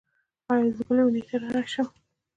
ایا زه بلې اونۍ راشم؟